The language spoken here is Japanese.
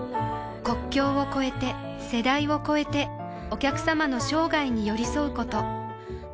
国境を超えて世代を超えてお客様の生涯に寄り添うこと